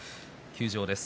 休場です。